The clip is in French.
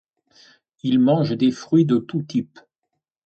Il mange des fruits de tous types.